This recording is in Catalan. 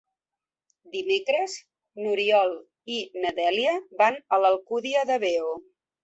Dimecres n'Oriol i na Dèlia van a l'Alcúdia de Veo.